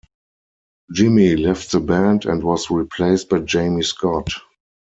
Jimi left the band and was replaced by Jamie Scott.